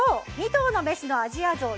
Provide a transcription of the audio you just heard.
２頭のメスのアジアゾウ。